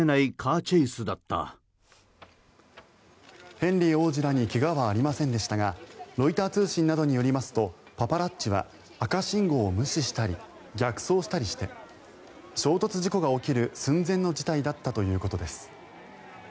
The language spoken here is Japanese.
ヘンリー王子らに怪我はありませんでしたがロイター通信などによりますとパパラッチは赤信号を無視したり逆走したりして衝突事故が起きる寸前の事態だったということです。